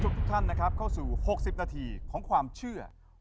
จบทุกท่านเข้าสู่๖๐นาทีของความเชื่อ